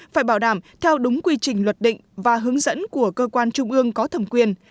phải bảo đảm theo đúng quy trình luật định và hướng dẫn của cơ quan trung ương có thẩm quyền